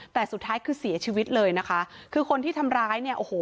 แต่สุดท้ายคือเสียชีวิตเลยนะคะคือคนที่ทำร้ายเนี่ยโอ้โห